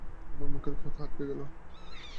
আমার মুখে কথা আটকে গেল।